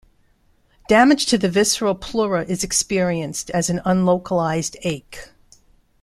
Damage to the visceral pleura is experienced as an un-localized ache.